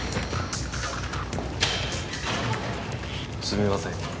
すみません。